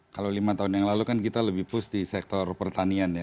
kalau lima tahun yang lalu kan kita lebih push di sektor pertanian ya